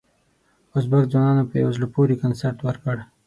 ازبک ځوانانو یو په زړه پورې کنسرت ورکړ.